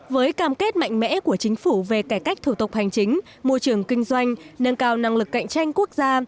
với cam kết mạnh mẽ của chính phủ về cải cách thủ tục hành chính môi trường kinh doanh nâng cao năng lực cạnh tranh quốc gia